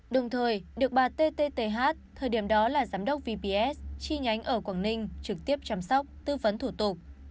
đồng thời được bà tt thời điểm đó là giám đốc vps chi nhánh ở quảng ninh trực tiếp chăm sóc tư vấn thủ tục